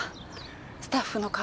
スタッフの顔。